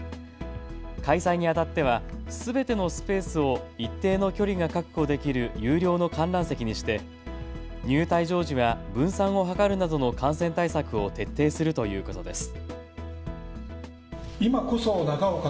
開催にあたっては、すべてのスペースを一定の距離が確保できる有料の観覧席にして入退場時は分散を図るなどの感染対策を徹底するということです。